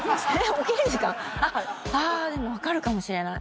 起きる時間⁉あでも分かるかもしれない。